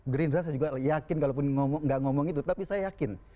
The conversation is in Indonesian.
gerindra saya juga yakin kalaupun nggak ngomong itu tapi saya yakin